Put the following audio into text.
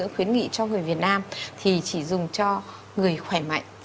khuyến nghị cho người việt nam thì chỉ dùng cho người khỏe mạnh